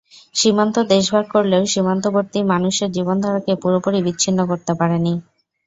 সীমান্ত দেশ ভাগ করলেও সীমান্তবর্তী মানুষের জীবনধারাকে পুরোপুরি বিচ্ছিন্ন করতে পারেনি।